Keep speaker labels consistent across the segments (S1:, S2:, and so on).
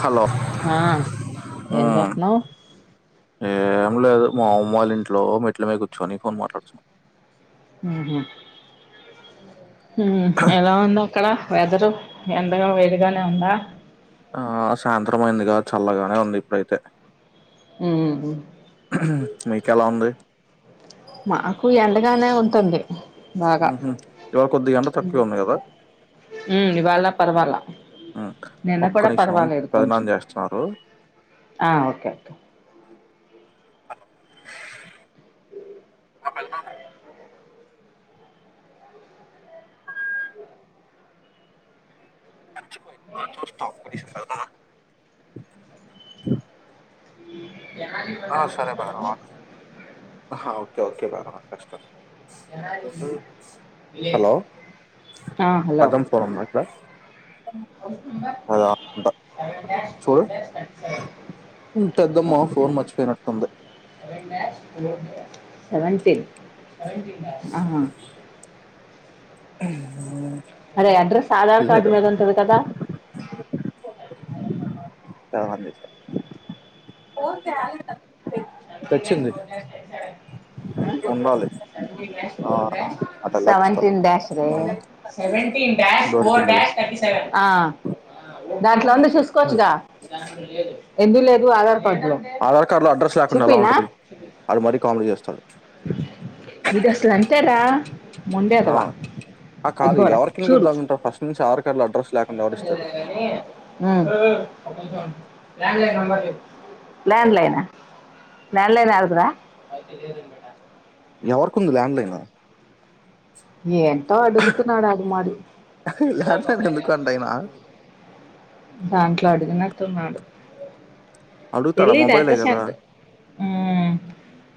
S1: Hello
S2: ఆ
S1: ఆ
S2: ఏం చేస్తున్నావ్
S1: ఏ ఉమ్ లేదు మా ఆమ్మోల్ ఇంట్లో మెట్ల మీద కూర్చొని ఫోన్ మాట్లాడుచున్న
S2: ఉహు హు ఎలా ఉంది అక్కడ వెదరు ఎండగా వేడిగానే ఉందా
S1: ఆ సాయంత్రం అయింది గదా చల్లగానే ఉంది ఇప్పుడైతే
S2: ఉ హు
S1: ఉ మీకు ఎలా ఉంది
S2: మాకు ఎండగానే ఉంటుంది బాగా
S1: ఉహు ఇవాళ కొద్ది ఎండ తక్కువే ఉంది కదా
S2: ఉ ఇవాళ పర్వాలా
S1: ఉమ్
S2: నిన్న
S1: ఒక్క
S2: కూడా
S1: నిమిషం
S2: పర్వాలేదు కొంచెం
S1: పెదనాన్న చేస్తున్నారు
S2: ఆ ఓకే
S1: ఒక్కలు మాము [unintelligible] ఆ
S2: [unintelligible]
S1: హ ఓకే ఓకే భైరవ కష్టం హలో
S2: ఆ హలో
S1: కదం ఫ్లోరింగ్ ఎక్కడ చూడు పెద్దమ్మ ఫోన్ మర్చిపోయినట్టుంది
S2: [unintelligible] సెవెంటీన్ అహా
S1: [unintelligible]
S2: అరే అడ్రెస్ ఆధార్ కార్డ్
S1: లేదు
S2: మీద ఉంటది కదా
S1: తర్వాత దేచ్చ ఉండాలి ఆ అటెల్లాక ఇస్తారు
S2: సేవేంటీన్ డాష్ రే
S1: దొరికిందిలే
S2: ఆ దాంట్లో ఉంది స్ చూసుకోవచ్చుగా ఎందు లేదు ఆధార్ కార్డులో
S1: ఆధార్ కార్డు లో అడ్రస్ లాక్ కుండా ఎలా
S2: చూపినా
S1: ఉంటది అడు మరీ కామెడీ చేస్తడు
S2: ఇది అసలు అంతే రా మొండి
S1: ఆ
S2: ఎదవా
S1: ఆ కాదు
S2: అదిగో రా
S1: ఎవరికి
S2: చూడు
S1: వినిపిద్దామంటారు ఫస్ట్ నుంచి ఆధార్ కార్డు లో అడ్రస్ లేకుండా ఎవరు
S2: అ
S1: ఇస్తాడు
S2: ల్యాండ్ లైనా ల్యాండ్ లైన్ ఎందుకు రా
S1: ఎవరికుంది ల్యాండ్ లైన్
S2: ఏంటో అడుగుతున్నాడు అడి మాడి
S1: ల్యాండ్ లైన్ ఎందుకు అంట ఆయన
S2: దాంట్లో అడిగినట్టు ఉన్నాడు
S1: అడుగుతాడా
S2: ఎల్లి నెట్
S1: మొబైలే కదా
S2: సెంట్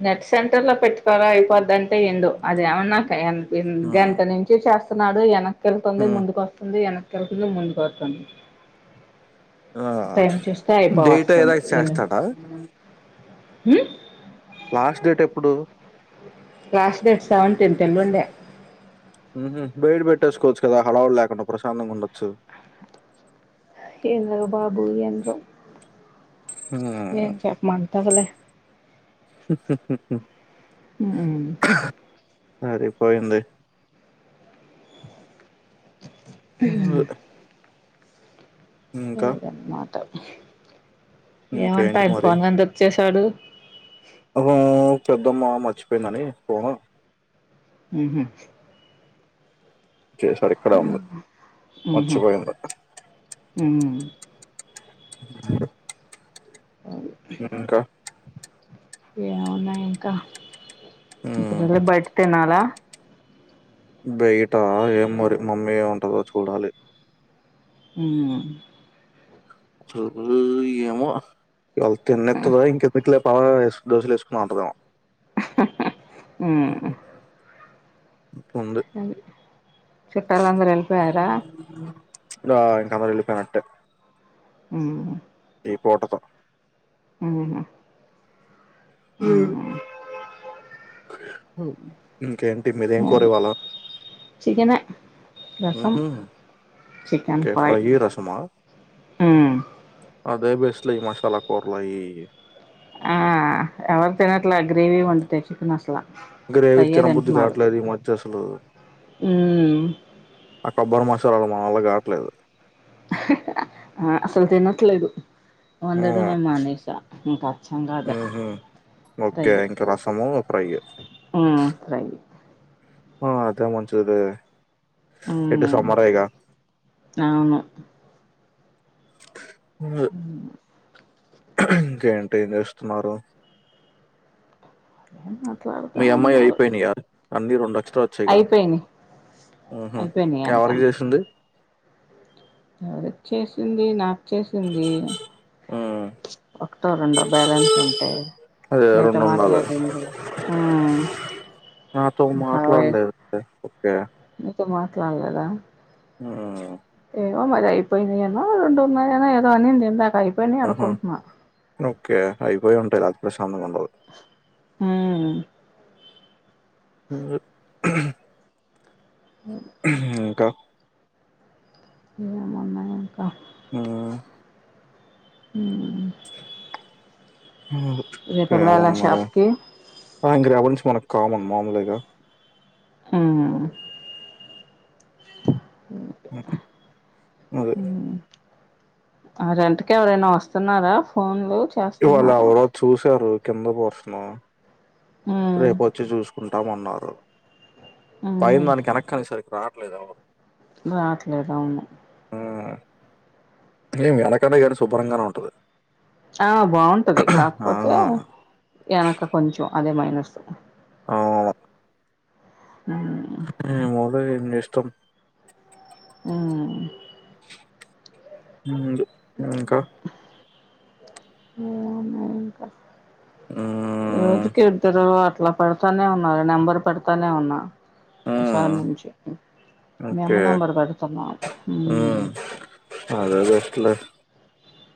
S2: నెట్ సెంటర్లో పెట్టుకోరా అయిపొద్దంటే విండు అదేమన్నా క యన్ హ్మ్ గంట నుంచి చేస్ ప్తున్నాడు యన కెళ్తుంది ముందుకొస్తుంది ఎన [unintelligible] పోతుంది
S1: ఆ డేటా
S2: అయిపోవస్తుంది
S1: ఎరైస్ చేస్తాడా
S2: హ్మ్
S1: లాస్ట్ డేట్ ఎప్పుడు
S2: లాస్ట్ డేట్ సెవెంటీన్త్ ఎల్లుండే
S1: బయట పెట్టేసుకోవచ్చు కదా హడావుడి లేకుండా ప్రశాంతంగా ఉండొచ్చు.
S2: ఏమో బాబు ఏంటో, ఏం చెప్పమంటది లే హ్మ్
S1: సరిపోయింది ఊమ్ ఆ
S2: లేదనమాట ఏమంటా
S1: ఇంకేంటి
S2: ఆయన ఫోన్ ఎందుక్ చేస్ టడు
S1: అహా పెద్దమ్మా మర్చిపోయిందని ఫోన్
S2: ఊ హ్మ్
S1: చేసారు ఇక్కడే ఉంది
S2: ఉహు
S1: మర్చిపోయింది.
S2: ఉ
S1: హ్మ్ ఇంకా
S2: ఏం ఉన్నాయి ఇంకా
S1: ఉమ్,
S2: ఇప్పుడెళ్లి బయట తినాలా?
S1: బయట ఏం మరి మమ్మీ ఏం అంటదో చూడాలి.
S2: హ్మ్
S1: [unintelligible] ఏమో [unintelligible] పాగా ఏస్ దోశలు వేస్తున్నావ్ అంటదేమో
S2: ఊ మ్మ్
S1: ఉంది
S2: అ చుట్టాలు అందరు వెళ్ళిపోయార?
S1: డా ఇంక అందరూ వెళ్ళిపోయినట్టే
S2: హ్మ్
S1: ఈ పుటతో
S2: హ్మ్
S1: ఆ ఓ
S2: అది చికనే రసం
S1: ఉహుం,
S2: చికెన్
S1: ఓకే
S2: ఫ్రై
S1: రసమా
S2: హ్మ్
S1: అదే బెస్ట్ లే ఈ మాషాలకుర్లు అయి ఈ
S2: ఆ ఎవరు తినట్లే గ్రేవి వండితే చికెన్ అసలా
S1: గ్రేవీ
S2: ఫ్రైయే
S1: తినబుద్ది కావట్లేదు ఈ మధ్య అస్ హలో
S2: హ్మ్
S1: ఆ కొబ్బరి మసాలలు మా వాళ్ళ కావట్లేదు
S2: ఆ అసలు తనేట్లేదు వందడమే మనేసా ఇంకా
S1: హ్మ్ హు ఓకే ఇంక రసము ఫ్రయి
S2: ఉమ్ ఫ్రై
S1: ఆ అదే మంచిది ఇటు
S2: హ్మ్
S1: సమ్మరేగా
S2: అవును హ్మ్
S1: ఇంకేంటి ఏం చేస్తున్నారు
S2: ఎ
S1: మీ అమ్మాయి అయిపోయినా అన్నీ రెండు ఎక్సట్రా వచ్చాయి గా
S2: అయిపోయినాయి
S1: హ్మ్ హు
S2: అయిపోయినాయి
S1: ఎవరికి చేసింది
S2: ఎవరచ్చేసింది నా వచ్చేసింది
S1: ఊమ్
S2: ఒకటో రెండో బ్యాలెన్స్ ఉంటే
S1: అదే
S2: నేతో
S1: రెండు ఉండాలి
S2: మాట్లాడింది హ్మ్
S1: నాతో
S2: ఇంకా
S1: మాట్లాడలేదు ఓకే
S2: [unintelligible] నీతో మాట్లాడలేదా
S1: హ్మ్
S2: ఏమో మరి అయిపోయినయానో రెండు ఉన్నాయి అనో అనింది ఇందాక అయిపోయినయ్ అనుకుంటునా
S1: పోయి ఉంటాయి [unintelligible]
S2: హ్మ్
S1: అ ఇంకా
S2: ఏం ఉన్నాయి ఇంకా
S1: హ్మ్
S2: హ్మ్
S1: హ్మ్ ఓకే ఉన్నారు
S2: షాప్కి
S1: రేపటి నుంచ్ మన కామన్ మామూలేగా
S2: హు
S1: అదే
S2: ఆ రెంట్ కి ఎవరైనా వస్తున్నారా ఫోన్లు
S1: ఇవాళ
S2: చేస్తున్నారా
S1: ఒగ రోజు చూసారు కింద బోస్తున్నావా రేపు వొచ్చి చూసుకున్ పెట్టమన్నారు పైందానికి కనక అనీసరికారు [unintelligible] లేదా [inaudible]
S2: రాట్లేదు అవును
S1: [unintelligible] శుభ్రంగానే ఉంటది..
S2: ఆ బాగుంటది
S1: ఆ
S2: కాకపోతే వెనక కొంచెం అదే మైనస్. వస్తవా?
S1: అవును
S2: [inaudible]
S1: ఏమోలే నీ ఇష్టం
S2: హ్మ్!
S1: ఉంది. హ్మ్! ఇంకా,
S2: ఏం లేదు ఇంకా.
S1: మ్
S2: రోజుకి ఇద్దరూ అట్లా. పెడతానే ఉన్నా నెంబర్ పెడతానే ఉన్నా. ఈ సారి
S1: మ్
S2: నుంచి మీ అమ్మ
S1: ఓకే
S2: నంబర్ బెడతాను ఊ
S1: మ్ అదే బెస్ట్ లే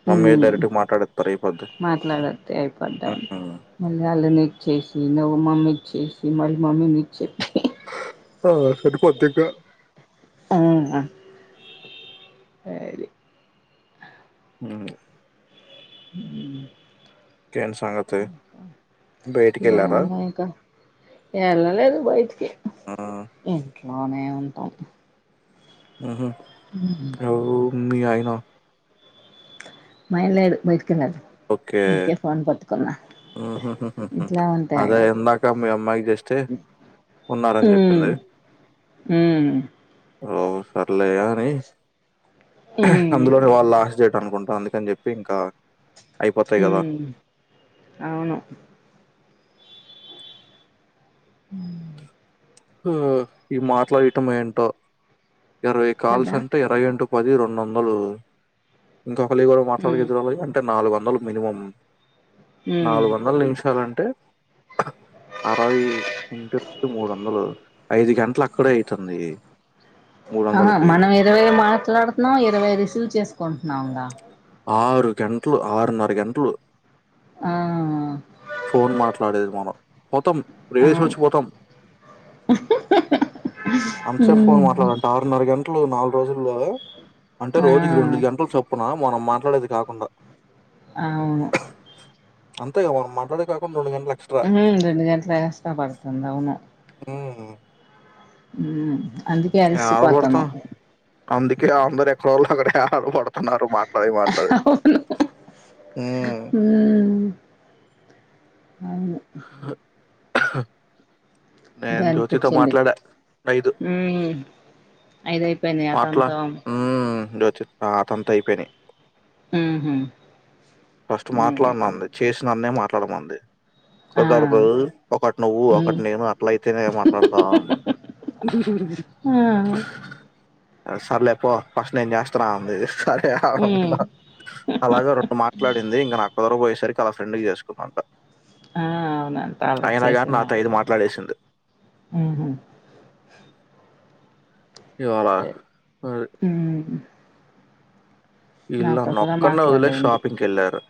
S1: మమ్మీ డైరెక్ట్గా మాట్లాడేత్తారు అయిపోద్ది
S2: మాట్లాడది అయిపడ్డాం
S1: మ్
S2: మళ్ళీ వాళ్ళని చేసి నువ్వు మమ్మీచ్చసి మళ్ళీ మమ్మీ నిక్చెప్పి
S1: ఆ సరిపోద్ద్దగా
S2: మ్మ్ సరి
S1: మ్మహ్ ఇంకేంటి సంగతి
S2: ఉ
S1: బయటికెళ్ళారా
S2: ఎందోయిక ఎల్లలేదు బయటికి
S1: మ్
S2: అట్లానే ఉంటాం
S1: మ్మహు నువ్వు మీ అయినా
S2: మాయన లేరు బయటికి
S1: ఓకే
S2: అందుకే ఫోన్ పతుకున్నా
S1: ఉహుహుహు
S2: ఇట్లా ఉంటా
S1: అదే ఇందాక మీ అమ్మాయికి జస్ట్ ఉన్నారని
S2: మ్మహ్
S1: చెప్పింది.
S2: మ్మ్
S1: ర సర్లేఅని
S2: ఉమ్
S1: అందులోనే వాళ్ళ అనుకుంటా అందుకని చెప్పి ఇంకా అయిపోతాయి
S2: హు
S1: కదా
S2: అవును. ఆ
S1: ఉ ఈ మాట్లయ్యెటం ఏంటో ఇరవై కాల్స్
S2: కదా
S1: అంటే ఇరవైంటు పది రెండోందలు ఇంకొక లివ
S2: ఉమ్
S1: మాట్లాడగించ వాలవి అంటే నాలువ ఉండాలు మినిమం
S2: ఉమ్
S1: నాలువందల్ నిమిషాలంటే అరవ్ ఇంట్ మూరొందలు ఐదు గంట్లు అక్కడే అయితుంది. మూడు
S2: ఆహ
S1: వందలకి
S2: మనం ఇరవై మాట్లాడ్తనం ఇరవై రిసీవ్ చేసుకోన్ నవుంగ
S1: ఆరు గంట్లు, ఆరున్నర గంట్లు
S2: ఆ
S1: ఫోన్ మాట్లాడేది మనం‌ పోతమ్ ఇప్పుడు
S2: అవును
S1: ఏసొచ్చిపోతాం, అంచేఫ్ ఫోన్
S2: హ్మ్
S1: మాట్లాడంట ఆరున్నర గం ట్లు నాల్రోజులు [unintelligible] అంటే
S2: ఆ
S1: రోజుకు రెండు గంట్లు చప్ మా మనం మాట్లాడేది కాకుండా
S2: అవ్ ను
S1: అంతేగ మనం మాట్లాడెదికాకున్
S2: ఆ రెండు గంట్లు ఎక్స్టా పడుతుంది ఔను.
S1: ఉమ్
S2: ఉ అందుకే అల్సిపోత్తనం.
S1: ఆడబడతాం అందుకే ఆందరు రెక్కరోళ్ అకడే టాలు బడుతున్నారు మాట్లాడి మాట్లాడి, ఉ
S2: హ్మ్ అవును దే
S1: నేను జ్యోతితో
S2: అన్పించింది,
S1: మాట్లాడా ఐదు
S2: ఉ ఐదెద్ పెన్యాతంతం.
S1: హు జ్యోతిత్ అ అతన్తో అయిపెయ్ నయ్.
S2: హ్మ్ హు
S1: ఫస్ట్
S2: హ్మ్
S1: మాట్లాన్నాన్ ని చేస్ నన్నే మాట్లాడమంది.
S2: ఆ
S1: కుదర్దు ఒకట్ నువ్వు
S2: హ్మ్
S1: ఒకట్ నేను అట్లైయితేనే ఇగ మాట్లాడతా అన్నా
S2: ఆ
S1: సర సరలేపో ఫస్ట్ నేను చేస్తన్నా [unintelligible] హా హా అమ్మ
S2: హ్మ్
S1: అలాగే రెండు మాట్లాడింది ఇంకా నాకు పోరపోయేసరికి తన ఫ్రెండ్ కు చేసుకోకంట
S2: ఆ అవునంత అల చేసింది
S1: నాతో
S2: అంత
S1: ఐదు మాట్లాడేసింది
S2: ఉహుమ్
S1: ఇవాళ ఆ
S2: హ్మ్ నాతో కూడ
S1: ఒక్కడినే వదిలేసి
S2: మాట్లాడింది
S1: షాపింగ్కి వెళ్ళారు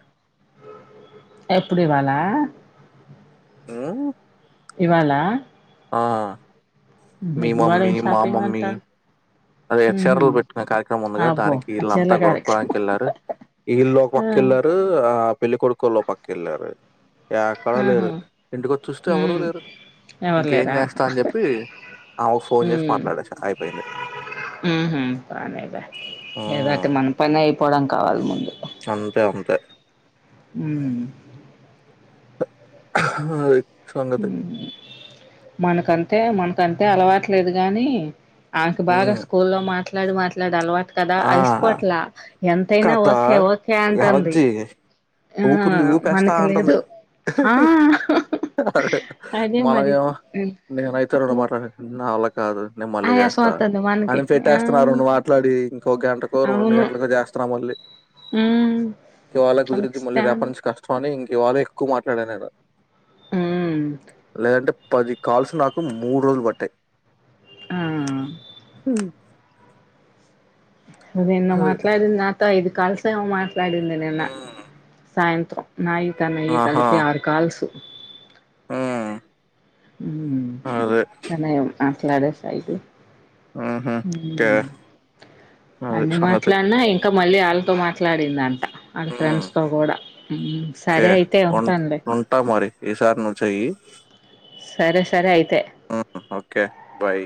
S2: ఎప్పుడు ఇవాళ
S1: ఉమ్
S2: ఇవాలా
S1: ఆ మి
S2: ఇవాళ
S1: మమ్మీ
S2: ఏం
S1: మా
S2: షాపింగ్
S1: మమ్మీ
S2: అంట
S1: అదే
S2: హుహు.
S1: ఎస్ర్లు పెట్టుకునే కార్యక్రమం ఉందిగా
S2: అబ్బో!
S1: దానికి
S2: ఆ
S1: వీళ్ళ
S2: చీరల
S1: అంతా కొరగోడానికి
S2: కార్యక్రమం.
S1: వెళ్ళారు వీళ్ళ ఒక
S2: ఆ!
S1: పక్కకెళ్ళారు ఆ పెల్లికోడుకు కోలు ఒపకెళ్లరు ఎక్కడ
S2: ఆహా!
S1: లేరు ఇంటికొచ్చి చూస్తే ఎవరు
S2: హ్మ్.
S1: లేరు
S2: ఎవరు
S1: ఇంకేం
S2: లేరా?
S1: చేస్తా అని చెప్పి ఆవుకి ఫోన్ చేసి మాట్లాడేస అయిపోయింది
S2: ఉహుమ్ పనేగా ఇది
S1: ఉమ్.
S2: పెద్ద మనం పని అయిపోవడం కావలి ముందు
S1: అంతే అంతే
S2: ఉమ్
S1: ఆ హా
S2: ఉమ్ మనకంతే మన్ కంటే అలవాట్లేదు గాని ఆమెకు బాగ
S1: హ్మ్
S2: స్కూలో మా మాట్లడి మాట్లాడి అలవా ట కదా
S1: ఆ
S2: అలసిపోట్లా ఎంతైన
S1: కథ
S2: ఒకే ఒకే అంటుంది
S1: ఊపు ఉంది ఊపేస్తా అంటుంది హా
S2: ఆ!
S1: హా అధే
S2: అదే
S1: మన
S2: మరి.
S1: ఏమో నేనైతే రెండు
S2: హ్మ్.
S1: మాటలు నావ్ల్ కాదు నేను మళ్ళీ
S2: ఆయాసం
S1: చేస్తా
S2: వత్తంది మనకి.
S1: అని పెట్టేస్తున్నారు
S2: ఆ!
S1: మాట్లాడి గంటకో రెండు
S2: అవును
S1: గంటలకో చేస్తున్నం లె
S2: ఉమ్
S1: కె ఇవాలే కుదిరిధి మల్లి
S2: పాకిస్తాన్
S1: రెప్నుచి కాస్టమ్ అని వాళ్లే ఎక్కువ మాట్లాడినా నేను
S2: ఉమ్
S1: లెధాంటే పది కాల్సు నాకు మూడు రోజులు పట్టాయి
S2: ఆ
S1: ఉ
S2: నిన్న మాట్లాడింది నాతో ఐదు కల్ ఏవో మాట్ ట్లాడింది నిన్న
S1: ఉమ్.
S2: సాయంత్రం నాయి తనయి కలిపి ఆరు కాల్సు [inaudible]
S1: ఊ
S2: ఊ ఇంకా నయం అఫ్ నడుసఇటు
S1: ఊహూ
S2: ఊ
S1: ఓకే అది
S2: అన్ని
S1: సంగతి
S2: మాట్లాలే ఇంకా మళ్ళీ ఆళ్ళతో మాట్లాడిందంట
S1: ఉమ్,
S2: ఊ
S1: ఓకే
S2: సరే అయితే
S1: ఉం-
S2: ఉంటాన్లే
S1: ఉంటా మరి ఈసారి నువ్వు చెయ్యి
S2: సరే సరే అయితే
S1: ఉమ్, ఓకే బాయ్